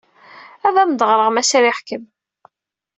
Ad am-d-ɣreɣ, ma sriɣ-kem.